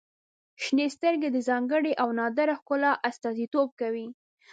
• شنې سترګې د ځانګړي او نادره ښکلا استازیتوب کوي.